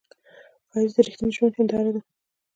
ښایست د رښتینې ژوندو هنداره ده